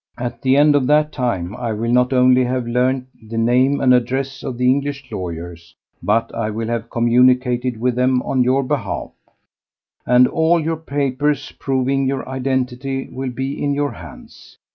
At the end of that time I will not only have learned the name and address of the English lawyers, but I will have communicated with them on your behalf, and all your papers proving your identity will be in your hands.